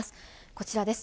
こちらです。